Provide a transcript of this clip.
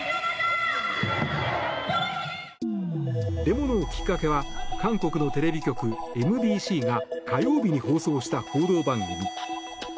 デモのきっかけは韓国のテレビ局、ＭＢＣが火曜日に放送した報道番組。